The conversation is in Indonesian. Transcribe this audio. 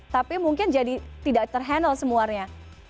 tapi mungkin jadi tidak terhannel semuanya